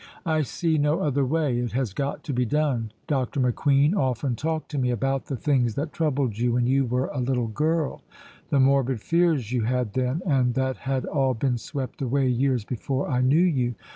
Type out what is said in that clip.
"I see no other way. It has got to be done. Dr. McQueen often talked to me about the things that troubled you when you were a little girl the morbid fears you had then, and that had all been swept away years before I knew you.